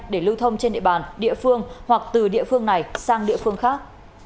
để lưu thông trên địa bàn địa phương hoặc từ địa phương này sang địa phương khác